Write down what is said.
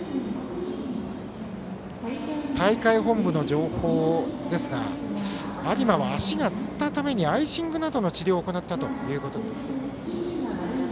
大会本部の情報ですが有馬は足がつったためにアイシングなどの治療を行ったということです。